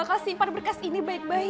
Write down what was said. aku akan simpan berkas ini baik baik